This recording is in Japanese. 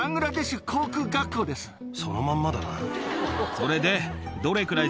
それで。